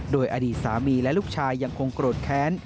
โดยอดีตสามีและลูกชายยังคงโกรธแค้น